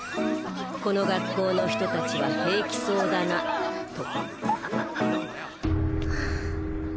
この学校の人たちは平気そうだなとはぁ。